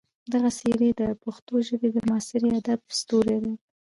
دغه څېرې د پښتو ژبې د معاصر ادب ستوري دي.